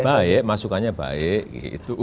baik masukannya baik gitu